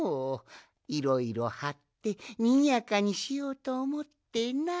いろいろはってにぎやかにしようとおもってな。